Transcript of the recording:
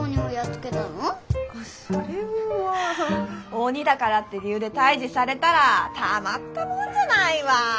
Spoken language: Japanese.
鬼だからって理由で退治されたらたまったもんじゃないわ。